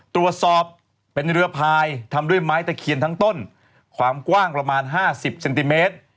ตรวจสอบเป็นเรือพายทำด้วยไม้ตะเคียนทั้งต้นความกว้างประมาณ๕๐เซนติเมตร